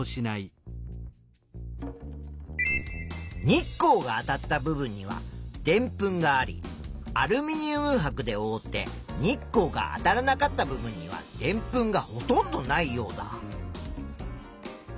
日光があたった部分にはでんぷんがありアルミニウムはくでおおって日光があたらなかった部分にはでんぷんがほとんどないヨウダ。